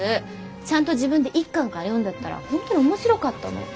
ちゃんと自分で一巻から読んでったら本当に面白かったの。